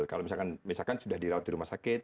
kalau misalkan sudah dirawat di rumah sakit